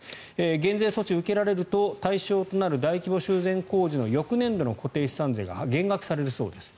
減税措置を受けられると対象となる大規模修繕工事の翌年度の固定資産税が減額されるそうです。